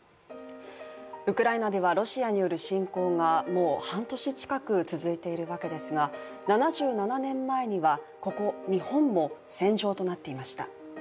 ウクライナではロシアによる侵攻がもう半年近く続いているわけですが７７年前にはここ日本も戦場となっていました